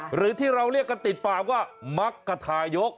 หรือที่เราเรียกกันติดปากว่ามักกระทายก